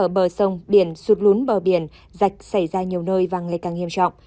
bờ sông biển suốt lún bờ biển rạch xảy ra nhiều nơi và ngày càng nghiêm trọng